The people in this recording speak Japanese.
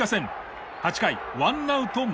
８回１アウト満塁。